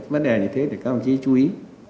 vấn đề như thế thì các ông chí chú ý